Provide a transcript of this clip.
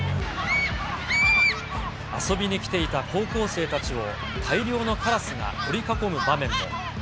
遊びに来ていた高校生たちを大量のカラスが取り囲む場面も。